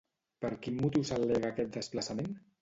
Per quin motiu s'al·lega aquest desplaçament?